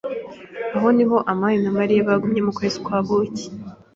Aha niho amani na Mariya bagumye mu kwezi kwa buki.